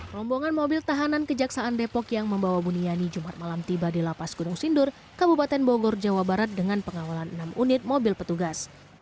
rombongan mobil tahanan kejaksaan depok yang membawa buniani jumat malam tiba di lapas gunung sindur kabupaten bogor jawa barat dengan pengawalan enam unit mobil petugas